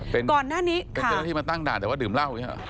เป็นเจ้าหน้าที่มาตั้งด่านแต่ว่าดื่มเหล้าไง